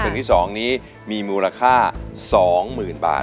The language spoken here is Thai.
เพลงที่๒นี้มีมูลค่า๒๐๐๐บาท